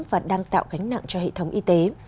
và đang tạo gánh nặng cho hệ thống y tế